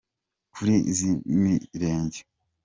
kuri z’imirenge